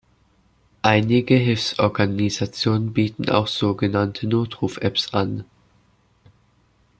Einige Hilfsorganisationen bieten auch sogenannte "Notruf-Apps" an.